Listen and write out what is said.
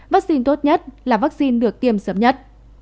vaccine tốt nhất là vaccine được tiêm sớm nhất